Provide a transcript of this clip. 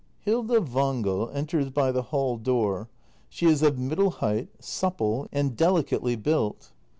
Hilda Wangel enters by the hall door. She is of middle height, supple, and delicately built.